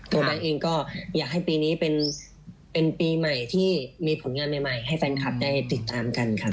แบงค์เองก็อยากให้ปีนี้เป็นปีใหม่ที่มีผลงานใหม่ให้แฟนคลับได้ติดตามกันครับ